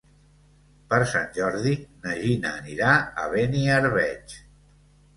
Per Sant Jordi na Gina anirà a Beniarbeig.